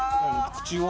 口を？